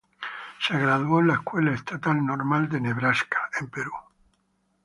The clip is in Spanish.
Se graduó en la Escuela Estatal Normal de Nebraska en Peru.